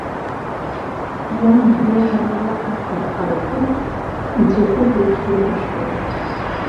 Иан убриаҟара лаҳаҭыр ҳаракын, нцәахәык леиԥш длыхәаԥшуан.